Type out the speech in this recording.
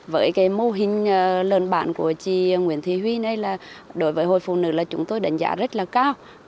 với mô hình lợn bản của chị nguyễn thị huy này đối với hội phụ nữ chúng tôi đánh giá rất cao